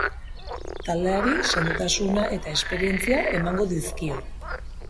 Taldeari sendotasuna eta esperientzia emango dizkio.